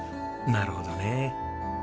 なるほどね。